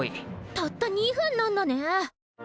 たった２分なんだね。